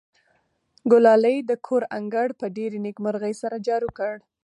ګلالۍ د کور انګړ په ډېرې نېکمرغۍ سره جارو کړ.